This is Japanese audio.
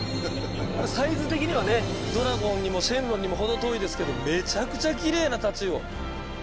サイズ的にはねドラゴンにも神龍にも程遠いですけどめちゃくちゃきれいなタチウオ。